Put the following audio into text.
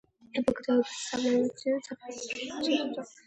Я благодарю представителей за сотрудничество.